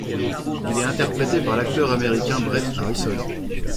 Il est interprété par l'acteur américain Bret Harrison.